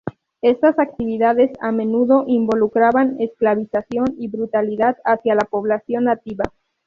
Estas actividades a menudo involucraban esclavización y brutalidad hacia la población nativa.